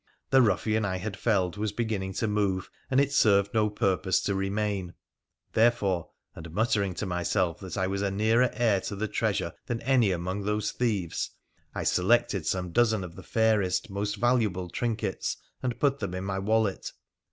The ruffian 1 had felled was beginning to move, and it served no purpose to remain : therefore — and muttering to myself that I was a nearer heir to the treasure than any among those thieves — I selected some dozen of the fairest, most valuable trinkets, and put them in my wallet.